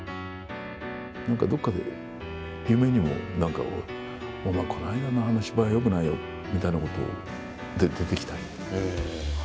なんかどこかで夢にもなんか、お前、この間のあの芝居はよくないよみたいなことを、言って出てきたり。